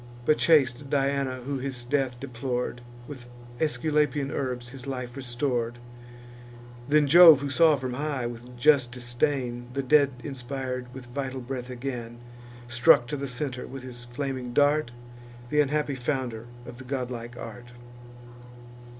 But chaste Diana, who his death deplor'd, With Aesculapian herbs his life restor'd. Then Jove, who saw from high, with just disdain, The dead inspir'd with vital breath again, Struck to the centre, with his flaming dart, Th' unhappy founder of the godlike art.